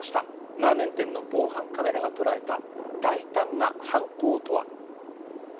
ラーメン店の防犯カメラが捉えた大胆な犯行とは。